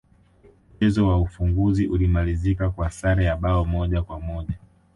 mchezo wa ufunguzi ulimalizika kwa sare ya bao moja kwa moja